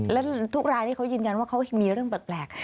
และทุกรายที่เขายืนยันว่าเขามีเรื่องแปลก